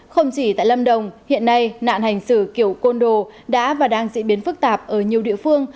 không chỉ tại lâm đồng hiện nay nạn hành xử kiểu côn đồ đã và đang diễn biến phức tạp ở nhiều địa phương